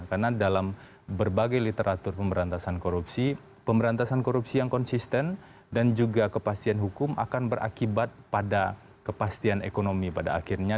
karena dalam berbagai literatur pemberantasan korupsi pemberantasan korupsi yang konsisten dan juga kepastian hukum akan berakibat pada kepastian ekonomi pada akhirnya